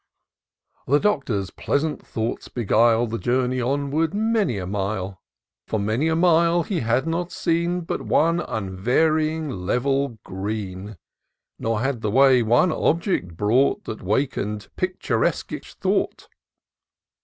The Doctor's pleasant thoughts beguile The journey onward many a mile ; For many a mile he had not seen But one unvarying, level green ; Nor had the way one object brought, That wak'd a, picturesquish thought.